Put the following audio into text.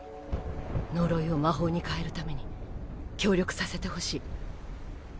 呪いを魔法に変えるために協力させてほしい。